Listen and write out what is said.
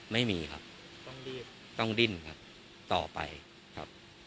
ไม่มีครับต้องดิ้นครับต่อไปครับ